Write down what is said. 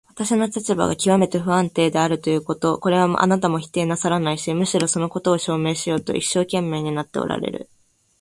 私の立場がきわめて不安定であるということ、これはあなたも否定なさらないし、むしろそのことを証明しようと一生懸命になっておられる。